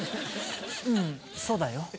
うんそうだよ。